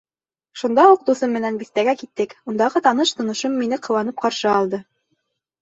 Шунда уҡ дуҫым менән биҫтәгә киттек, ундағы таныш-тоношом мине ҡыуанып ҡаршы алды.